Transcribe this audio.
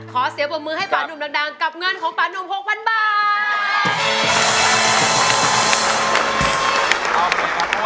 ขอเสียบมือให้ป่านุ่มดังกับเงินของป่านุ่ม๖๐๐๐บาท